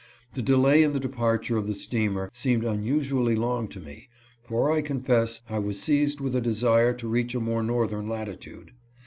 The delay in the departure of the steamer seemed unusually long to me, for I confess I was seized with a desire to reach a more northern latitude.